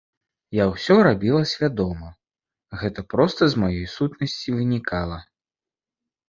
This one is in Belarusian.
Я ўсё рабіла свядома, гэта проста з маёй сутнасці вынікала.